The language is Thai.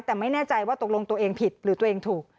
แต่ไม่แน่ใจว่าตกลงตัวเองผิดหรือตัวเองถูก